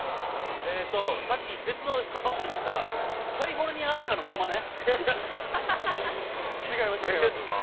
別の場所にいたカリフォルニアアシカのものまね。